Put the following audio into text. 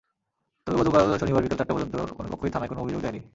তবে গতকাল শনিবার বিকেল চারটা পর্যন্ত কোনো পক্ষই থানায় কোনো অভিযোগ দেয়নি।